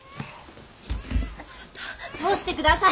ちょっと通して下さい。